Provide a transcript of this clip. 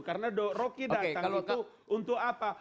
karena roky datang itu untuk apa